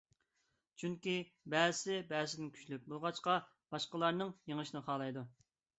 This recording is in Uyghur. چۈنكى، بەزىسى بەزىسىدىن كۈچلۈك بولغاچقا، باشقىلارنى يېڭىشنى خالايدۇ.